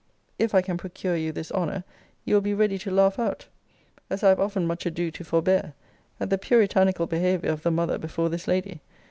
If I can procure you this honour you will be ready to laugh out, as I have often much ado to forbear, at the puritanical behaviour of the mother before this lady.